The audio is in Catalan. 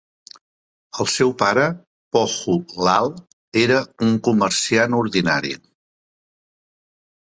El seu pare, Pohu Lal, era un comerciant ordinari.